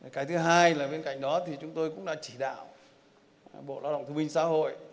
cái thứ hai là bên cạnh đó thì chúng tôi cũng đã chỉ đạo bộ lao động thương binh xã hội